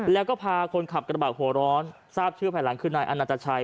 แล้วก็พาคนขับกระบาดหัวร้อนทราบชื่อภายหลังคือนายอนัตชัย